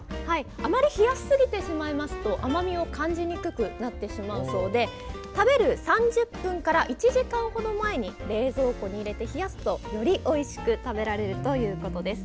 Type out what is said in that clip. あまり冷やしすぎてしまいますと甘みを感じにくくなってしまうそうで食べる３０分から１時間ほど前に冷蔵庫に入れて冷やすとよりおいしく食べられるということです。